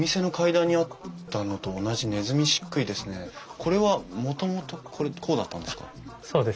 これはもともとこれこうだったんですか？